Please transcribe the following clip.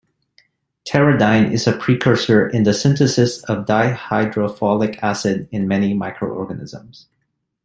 Pteridine is a precursor in the synthesis of dihydrofolic acid in many microorganisms.